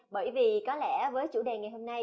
bởi vì có lẽ với chủ đề ngày hôm nay